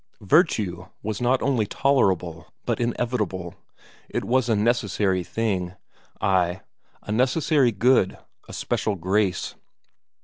Virtue was not only tolerable, but inevitable, it was a necessary thing; ay, a necessary good, a special grace.